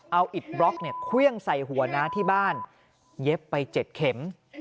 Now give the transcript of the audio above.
เอาอิดบล็อกเนี่ยเครื่องใส่หัวน้าที่บ้านเย็บไป๗เข็ม